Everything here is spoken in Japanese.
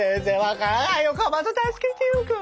かまど助けてよ。